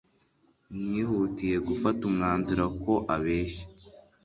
Nihutiye gufata umwanzuro ko abeshya.